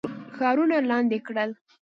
ښارونه لاندي کړل.